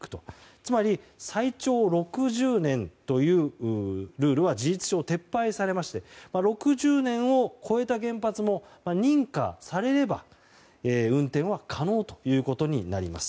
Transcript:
つまり最長６０年というルールは事実上撤廃されまして６０年を超えた原発も認可されれば運転は可能ということになります。